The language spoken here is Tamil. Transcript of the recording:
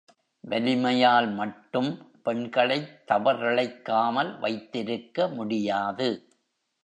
வலிமையால் மட்டும் பெண்களைத் தவறிழைக்காமல் வைத்திருக்க முடியாது.